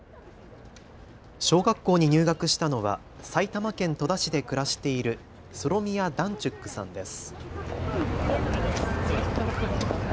小学校に入学したのは埼玉県戸田市で暮らしているソロミヤ・ダンチュックさんです。